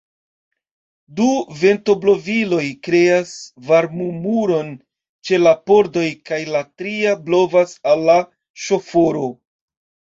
Du ventobloviloj kreas varmomuron ĉe la pordoj kaj la tria blovas al la ŝoforo.